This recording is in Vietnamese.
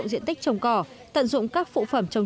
nhờ sự tích cực chủ động đó mà đàn bò của gia đình ông